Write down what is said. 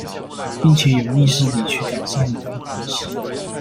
並且有意識地去改善一段關係